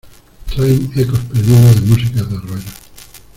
Traen ecos perdidos de músicas de arroyos.